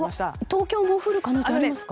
東京も降る可能性ありますか。